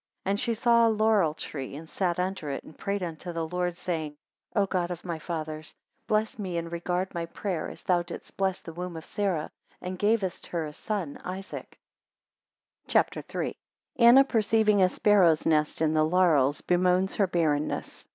9 And she saw a laurel tree and sat under it, and prayed unto the Lord, saying, 10 O God of my fathers, bless me and regard my prayer, as thou didst bless the womb of Sarah; and gavest her a son Isaac. CHAPTER III. 1 Anna perceiving a sparrow's nest in the laurels bemoans her barrenness.